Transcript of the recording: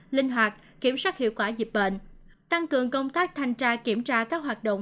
linh hoạt kiểm soát hiệu quả dịch bệnh tăng cường công tác thanh tra kiểm tra các hoạt động